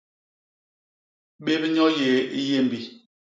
Bép nyo yéé i yémbi.